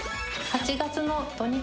８月の土日